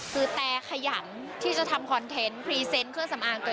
คือแต่ขยันที่จะทำคอนเทนต์พรีเซนต์เครื่องสำอางตัวเอง